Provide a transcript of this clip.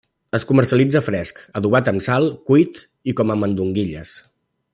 Es comercialitza fresc, adobat amb sal, cuit i com a mandonguilles.